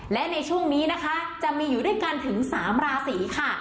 และในช่วงนี้นะคะจะมีอยู่ด้วยกันถึง๓ราศีค่ะ